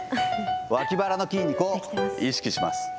脇腹の筋肉を意識します。